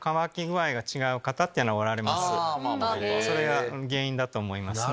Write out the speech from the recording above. それが原因だと思います。